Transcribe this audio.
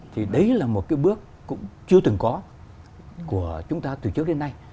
thì đấy là một cái bước cũng chưa từng có của chúng ta từ trước đến nay